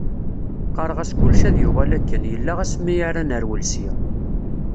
Qqareɣ-as kullec ad yuɣal akken yella asmi ara nerwel sya.